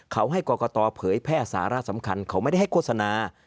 เขาให้กรกตเผยแพร่สาระสำคัญเขาไม่ได้ให้โฆษณา